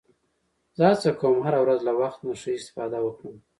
زه هڅه کوم هره ورځ له وخت نه ښه استفاده وکړم